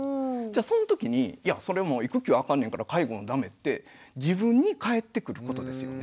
その時に育休あかんねんから介護も駄目って自分に返ってくることですよね。